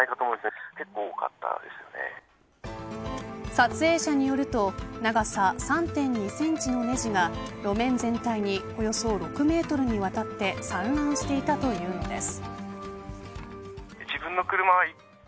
撮影者によると長さ３．２センチのねじが路面全体におよそ６メートルにわたって散乱していたというのです。